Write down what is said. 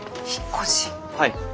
はい。